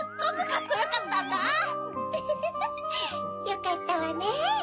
よかったわね。